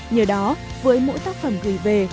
nhờ đó với mỗi tác phẩm gửi về